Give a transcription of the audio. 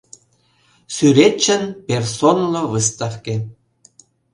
Сӱретчын персонло выставке.